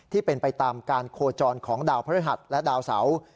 ที่เป็นไปตามการโคจรของดาวพฤหัสและดาวเสา